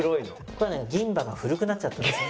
これはね銀歯が古くなっちゃってます。